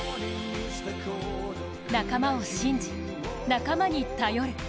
仲間を信じ、仲間に頼る。